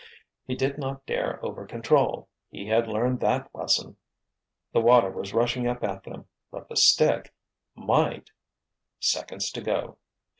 He did not dare over control. He had learned that lesson! The water was rushing up at them—but the stick—might—— Seconds to go!